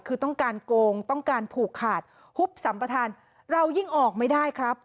คือต้องการโกงต้องการผูกขาดฮุบสัมปทานเรายิ่งออกไม่ได้ครับ